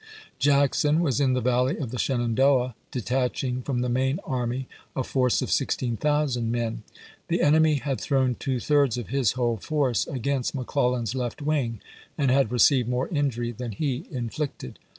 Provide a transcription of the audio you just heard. Jackson was in the Valley of the Shenandoah, detaching from the main army a force of 16,000 men. The enemy had thrown two thirds of his whole force against McClellan's left wing, and had received more injury than he inflicted.